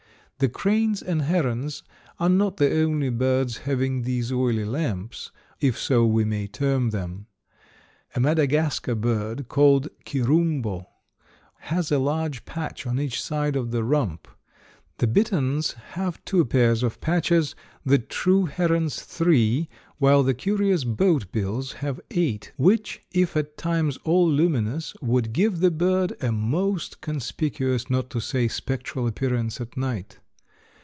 The cranes and herons are not the only birds having these oily lamps, if so we may term them. A Madagascar bird, called kirumbo, has a large patch on each side of the rump. The bitterns have two pairs of patches; the true herons three, while the curious boat bills have eight, which, if at times all luminous, would give the bird a most conspicuous, not to say spectral appearance at night.